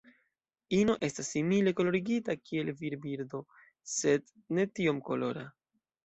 Ino estas simile kolorigita kiel virbirdo, sed ne tiom kolora.